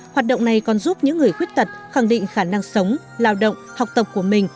hoạt động này còn giúp những người khuyết tật khẳng định khả năng sống lao động học tập của mình